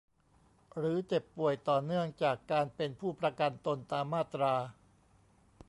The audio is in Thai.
หรือเจ็บป่วยต่อเนื่องจากการเป็นผู้ประกันตนตามมาตรา